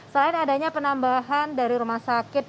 selain adanya penambahan dari rumah sakit